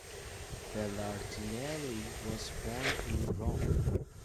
Belardinelli was born in Rome.